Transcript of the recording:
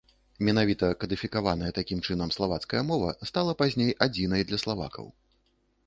Менавіта кадыфікаваная такім чынам славацкая мова стала пазней адзінай для славакаў.